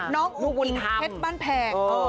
น้องอุ๋งหญิงเทศบ้านแผง